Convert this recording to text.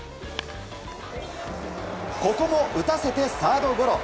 ここも打たせてサードゴロ。